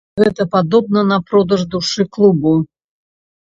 Гэта падобна на продаж душы клубу.